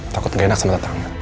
takut gak enak sama tangan